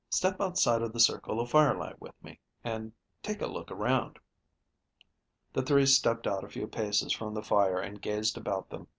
"Step outside of the circle of firelight with me, and take a look around." The three stepped out a few paces from the fire and gazed about them.